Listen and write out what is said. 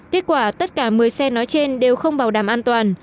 kết quả tất cả một mươi xe nói trên đều không bảo đảm an toàn